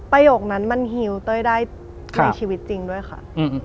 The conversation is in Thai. ประโยคนั้นมันฮิวเต้ยได้ในชีวิตจริงด้วยค่ะ